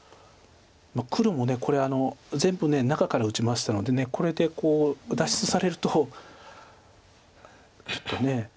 黒もこれ全部中から打ちましたのでこれで脱出されるとちょっと。